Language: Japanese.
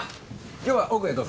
今日は奥へどうぞ。